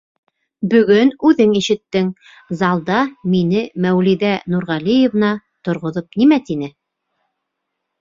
Бөгөн үҙең ишеттең, залда мине Мәүлиҙә Нурғәлиевна торғоҙоп нимә тине?